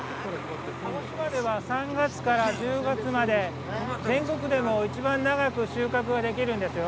鹿児島では３月から１０月まで、全国でも一番長く収穫ができるんですよ。